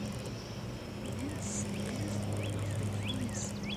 Llant senndent ɣef tɣemmar-nsent.